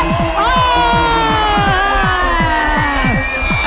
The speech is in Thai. โอ้โหโหโหโห